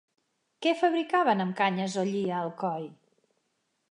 Què fabricaven amb canyes o lli a Alcoi?